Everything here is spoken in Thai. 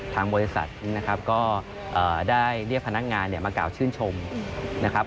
ทางบริษัทนะครับก็ได้เรียกพนักงานมากล่าวชื่นชมนะครับ